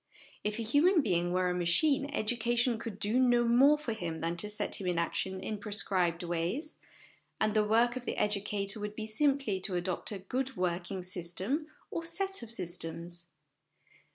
If a human being were a machine, education could do no more for him than to set him in action in prescribed ways, and the work of the educator would be simply to adopt a good working system or set of systems.